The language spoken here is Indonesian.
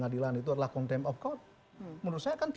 di dalam pengadilan